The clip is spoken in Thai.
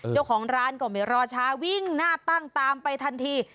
เจ้าของร้านก็ไม่รอช้าวิ่งหน้าตั้งตามไปทันที